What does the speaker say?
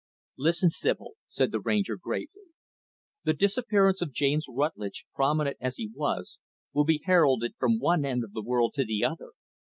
"Listen, Sibyl," said the Ranger gravely. "The disappearance of James Rutlidge, prominent as he was, will be heralded from one end of the world to the other.